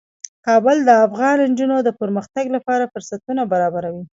کابل د افغان نجونو د پرمختګ لپاره فرصتونه برابروي.